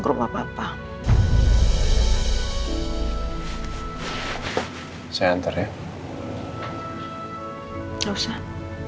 aku mau pulang